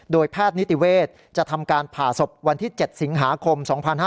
แพทย์นิติเวศจะทำการผ่าศพวันที่๗สิงหาคม๒๕๕๙